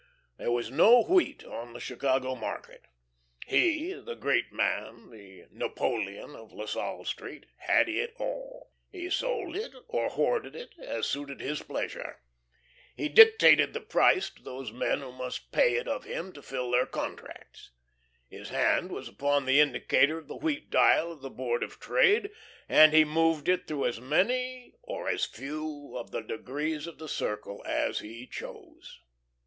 There was no wheat on the Chicago market. He, the great man, the "Napoleon of La Salle Street," had it all. He sold it or hoarded it, as suited his pleasure. He dictated the price to those men who must buy it of him to fill their contracts. His hand was upon the indicator of the wheat dial of the Board of Trade, and he moved it through as many or as few of the degrees of the circle as he chose.